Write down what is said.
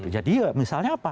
jadi ya misalnya apa